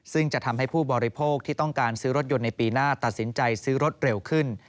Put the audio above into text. ซึ่งจะทำให้ผู้บริโภคที่ต้องการซื้อรถยนต์ในปีหน้าตัดสินใจซื้อรถเร็วขึ้น